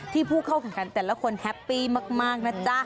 ผู้เข้าแข่งขันแต่ละคนแฮปปี้มากนะจ๊ะ